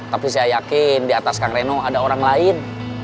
tapi saya yakin di atas kang reno ada orang lain